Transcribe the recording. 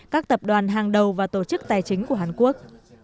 các tập đoàn hàng đầu và tổ chức tài chính của hàn quốc